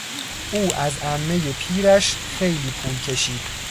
او از عمهی پیرش خیلی پول کشید.